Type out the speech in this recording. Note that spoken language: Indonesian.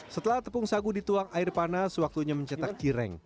setelah tepung sagu dituang air panas waktunya mencetak cireng